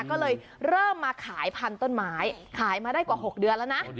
ก็เลยเริ่มมาขายพันธุ์ต้นไม้ขายมาได้กว่า๖เดือนแล้วนะ